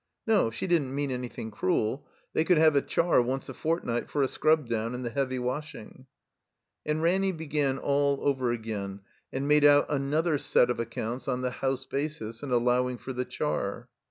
No; she didn't mean any thing cruel. They could have a char once a fort night for a scrub down and the heavy washing. And Ranny began all over again and made out another set of accotmts on the house basis and allow ing for the char.